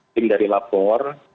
tim dari lapor